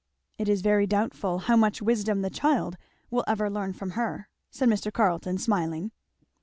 "It is very doubtful how much wisdom the child will ever learn from her," said Mr. Carleton smiling.